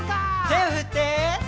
「手を振って」